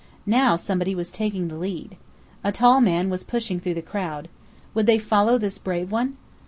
Now somebody was taking the lead. A tall man was pushing through the crowd. Would they follow this brave one?